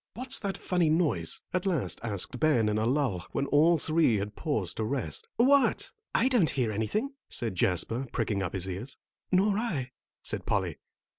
"What's that funny noise?" at last asked Ben in a lull, when all three had paused to rest. "What? I don't hear anything," said Jasper, pricking up his ears. "Nor I," said Polly.